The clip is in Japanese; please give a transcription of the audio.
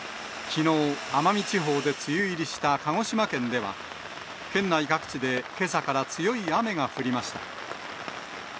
きのう、奄美地方で梅雨入りした鹿児島県では、県内各地でけさから強い雨が降りました。